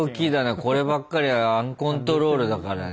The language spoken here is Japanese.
こればっかりはアンコントロールだからね。